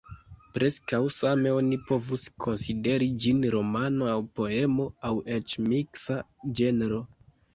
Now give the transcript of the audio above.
Preskaŭ same oni povus konsideri ĝin romano aŭ poemo, aŭ eĉ miksa ĝenro.